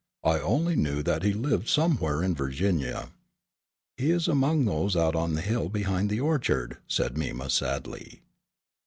I only knew that he lived somewhere in Virginia." "He is among those out on the hill behind the orchard," said Mima, sadly.